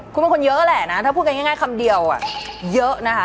คุณเป็นคนเยอะแหละนะถ้าพูดกันง่ายคำเดียวเยอะนะคะ